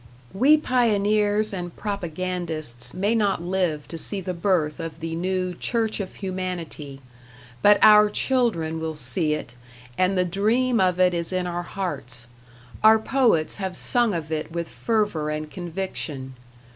We pioneers and propagandists may not live to see the birth of the new Church of Humanity; but our children will see it, and the dream of it is in our hearts; our poets have sung of it with fervor and conviction.